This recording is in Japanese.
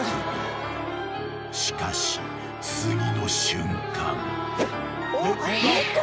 ［しかし次の瞬間］